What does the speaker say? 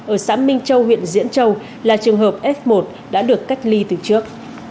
ở xã minh châu huyện diễn châu là trường hợp f một đã được cách ly từ trước